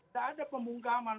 tidak ada pembungkaman